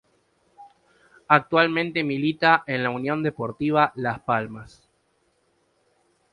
Actualmente milita en la Unión Deportiva Las Palmas.